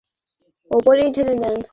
ওর জামাকাপড়ের উপরই ঢেলে দে।